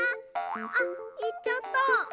あっいっちゃった。